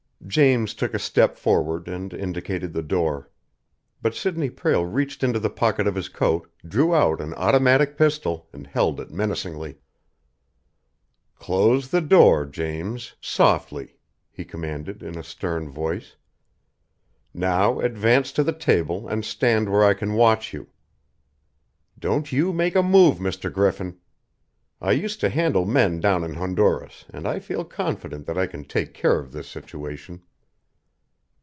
James took a step forward and indicated the door. But Sidney Prale reached into the pocket of his coat, drew out an automatic pistol, and held it menacingly. "Close the door, James softly!" he commanded in a stern voice. "Now advance to the table and stand where I can watch you. Don't you make a move, Mr. Griffin! I used to handle men down in Honduras, and I feel confident that I can take care of this situation."